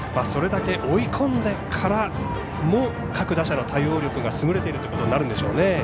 それだけ、追い込んでからも各打者の対応力が優れているということになるんでしょうね。